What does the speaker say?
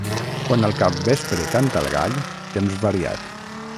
Quan al capvespre canta el gall, temps variat.